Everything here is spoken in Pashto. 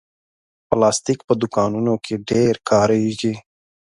پلاستيک په دوکانونو کې ډېر کارېږي.